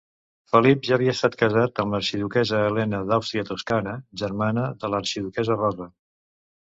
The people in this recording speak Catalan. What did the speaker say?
Felip ja havia estat casat amb l'arxiduquessa Helena d'Àustria-Toscana germana de l'arxiduquessa Rosa.